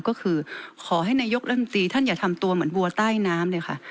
ก็คือขอให้นายกรัฐมนตรีท่านอย่าทำตัวเหมือนวัวใต้น้ำเลยค่ะ